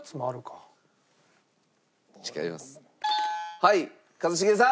はい一茂さん。